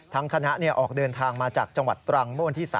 ทั้งคณะออกเดินทางมาจากจังหวัดตรัง